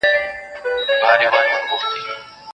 استازي به پرله پسې د دولتي ادارو د نيمګړتياوو يادونه کوي.